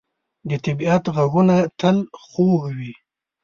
د طبیعت ږغونه تل خوږ وي.